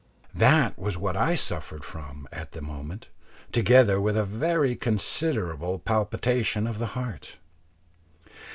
That was what I suffered from at the moment, together with a very considerable palpitation of the heart.